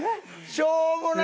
しょうもない。